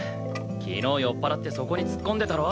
昨日酔っ払ってそこに突っ込んでたろ。